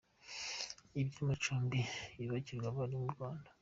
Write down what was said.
Iby’amacumbi yubakirwa abarimu mu Rwanda